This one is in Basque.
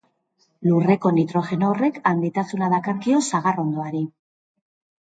Lurreko nitrogeno horrek handitasuna dakarkio sagarrondoari.